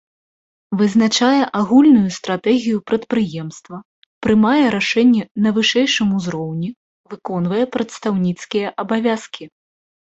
Вызначае агульную стратэгію прадпрыемства, прымае рашэнні на вышэйшым узроўні, выконвае прадстаўніцкія абавязкі.